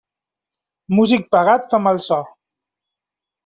Músic pagat fa mal so.